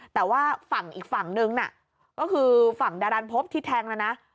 แต่ว่าฝั่งอีกฝั่งนึงน่ะก็คือฝั่งดารันพบที่แทงนะนะ